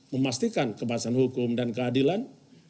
memastikan kebahasan hukum dan keadilan